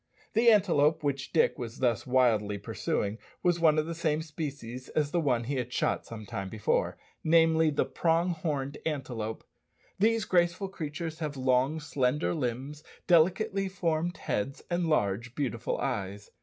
The antelope which Dick was thus wildly pursuing was of the same species as the one he had shot some time before namely, the prong horned antelope. These graceful creatures have long, slender limbs, delicately formed heads, and large, beautiful eyes.